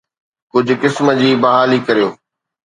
ڪجهه قسم جي بحالي ڪريو.